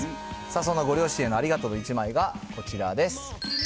そんなご両親へのありがとうの１枚がこちらです。